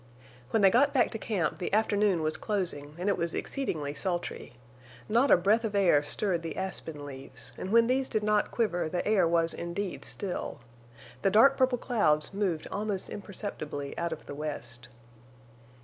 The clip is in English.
When they got back to camp the afternoon was closing, and it was exceedingly sultry. Not a breath of air stirred the aspen leaves, and when these did not quiver the air was indeed still. The dark purple clouds moved almost imperceptibly out of the west.